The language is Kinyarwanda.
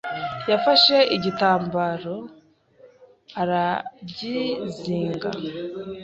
yafashe igitambaro aragizinga.